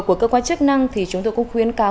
của cơ quan chức năng thì chúng tôi cũng khuyến cáo